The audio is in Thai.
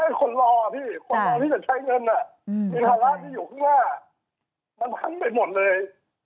เป็นคนรอพี่คนรอที่จะใช้เงิน